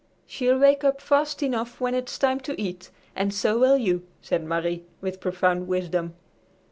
"She'll wake up fast enough when it's time to eat, and so will you," said Marie, with profound wisdom.